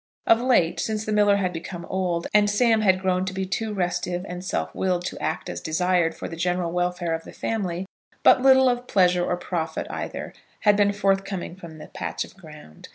Of late, since the miller had become old, and Sam had grown to be too restive and self willed to act as desired for the general welfare of the family, but little of pleasure, or profit either, had been forthcoming from the patch of ground.